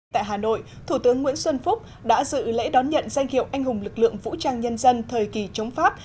tại hà nội thủ tướng nguyễn xuân phúc đã dự lễ đón nhận danh hiệu anh hùng lực lượng vũ trang nhân dân thời kỳ chống pháp